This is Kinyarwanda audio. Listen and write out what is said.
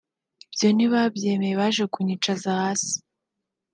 Ibyo ntibabyemeye baje kunyicaza hasi